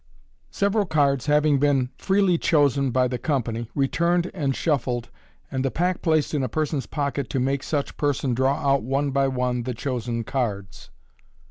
Several Cards hating been freely chosen bt the Com pany, Returned and Shuffled, and the Pack placed in a Person's Pocket, to make such Person draw out one by one thb chosen Cards.